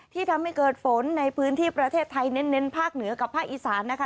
ที่ทำให้เกิดฝนในพื้นที่ประเทศไทยเน้นภาคเหนือกับภาคอีสานนะคะ